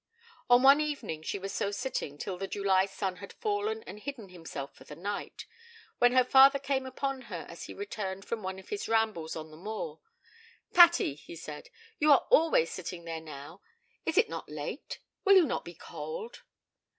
On one evening she was so sitting till the July sun had fallen and hidden himself for the night, when her father came upon her as he returned from one of his rambles on the moor. 'Patty,' he said, 'you are always sitting there now. Is it not late? Will you not be cold?'